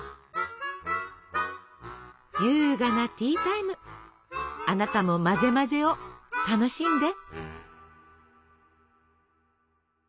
優雅なティータイムあなたも混ぜ混ぜを楽しんで！